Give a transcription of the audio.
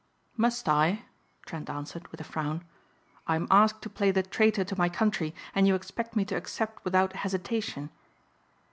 "Must I?" Trent answered with a frown. "I am asked to play the traitor to my country and you expect me to accept without hesitation."